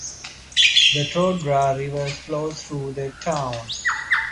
The Tordera River flows through the town.